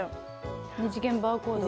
二次元バーコード。